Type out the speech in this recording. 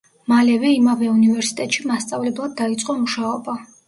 მალევე იმავე უნივერსიტეტში მასწავლებლად დაიწყო მუშაობა.